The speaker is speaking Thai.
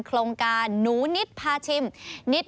โครงการหนูนิดพาชิม